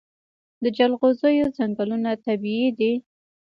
د جلغوزیو ځنګلونه طبیعي دي؟